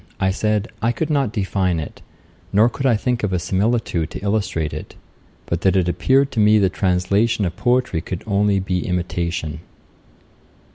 I said, I could not define it, nor could I think of a similitude to illustrate it; but that it appeared to me the translation of poetry could be only imitation.